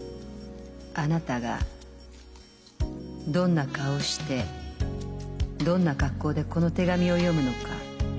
あなたがどんな顔をしてどんな格好でこの手紙を読むのか